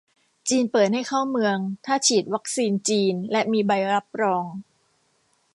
จีนเปิดให้เข้าเมืองถ้าฉีดวัคซีนจีนและมีใบรับรอง